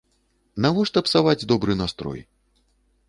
Навошта псаваць добры настрой?